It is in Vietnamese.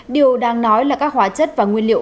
điều đang nói là các hóa chất và nguyên liệu